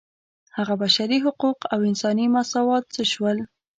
هغه بشري حقوق او انساني مساوات څه شول.